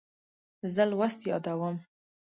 زه لوست یادوم.